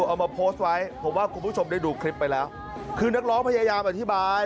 เอามาโพสต์ไว้ผมว่าคุณผู้ชมได้ดูคลิปไปแล้วคือนักร้องพยายามอธิบาย